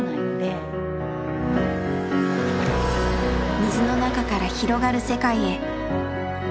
水の中から広がる世界へ。